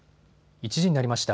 １時になりました。